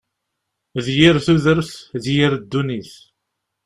D yir tudert! D yir ddunit!